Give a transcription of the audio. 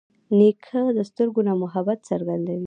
نیکه د سترګو نه هم محبت څرګندوي.